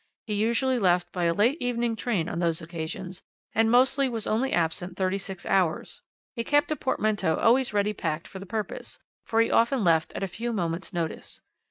He usually left by a late evening train on those occasions, and mostly was only absent thirty six hours. He kept a portmanteau always ready packed for the purpose, for he often left at a few moments' notice.